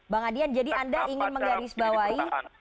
bang adian jadi anda ingin menggarisbawahi